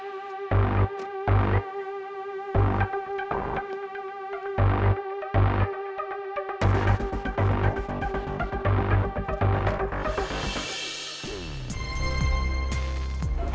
dia juga sakit